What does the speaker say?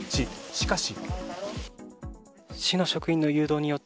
しかし。